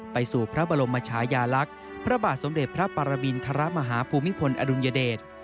สู่พระบรมชายาลักษณ์พระบาทสมเด็จพระปรมินทรมาฮาภูมิพลอดุลยเดช